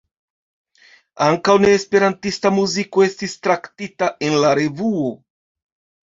Ankaŭ ne-esperantista muziko estis traktita en la revuo.